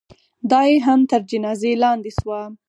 دا یې هم تر جنازې لاندې شوه.